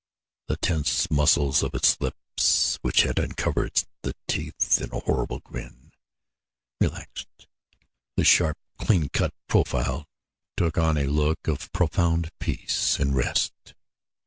The tense muscles of its lips, which had uncovered the teeth in a horrible grin, relaxed; the sharp, clean cut profile took on a look of profound peace and rest.